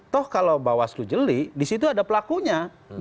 toh kalau bawaslu jeli di situ ada pelakunya